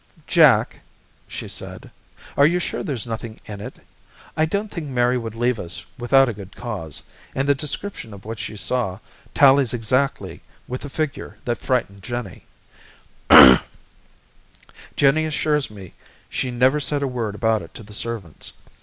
"Jack," she said, "are you sure there's nothing in it? I don't think Mary would leave us without a good cause, and the description of what she saw tallies exactly with the figure that frightened Jennie. Jennie assures me she never said a word about it to the servants.